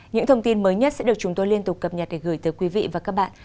những thông tin mới nhất sẽ được chúng tôi liên tục cập nhật để gửi tới quý vị và các bạn